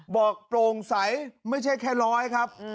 บอกโตรงไสไม่ใช่แค่ร้อยครับ